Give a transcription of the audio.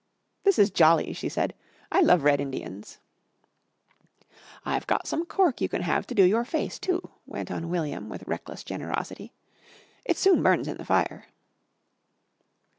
"This is jolly!" she said. "I love Red Indians!" "I've got some cork you can have to do your face, too," went on William with reckless generosity. "It soon burns in the fire."